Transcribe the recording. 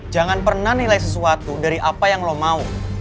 jangan pernah nilai sesuatu dari apa yang lo mau